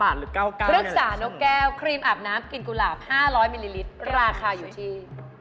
พฤกษานกแก้วครีมอาบน้ำกินกุหลาบ๕๐๐มิลลิลิตรราคาอยู่ที่